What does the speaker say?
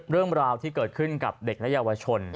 เรื่องราวที่เกิดขึ้นกับเด็กและเยาวชน